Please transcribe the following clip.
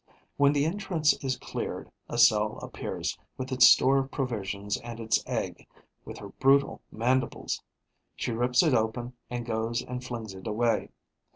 When the entrance is cleared, a cell appears, with its store of provisions and its egg, with her brutal mandibles; she rips it open and goes and flings it away.